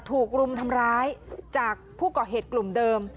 รุมทำร้ายจากผู้ก่อเหตุกลุ่มเดิม